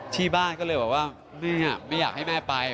ที่บ้านก็เลยบอกว่าไม่อยากให้แม่ไป